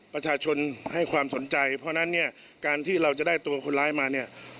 ประชาชนให้ความสนใจเพราะฉะนั้นเนี่ยการที่เราจะได้ตัวคนร้ายมาเนี่ย